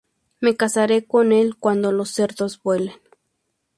Me casaré con él cuando los cerdos vuelen